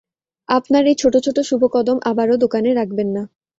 আপনার এই ছোট ছোট শুভ কদম আবারও দোকানে রাখবেন না।